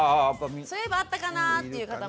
そういえばあったかなっていう方も。